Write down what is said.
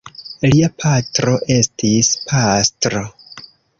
Lia patro estis pastro.